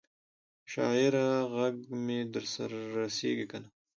شاعره ږغ مي در رسیږي کنه؟